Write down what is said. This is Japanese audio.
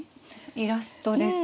イラストですね。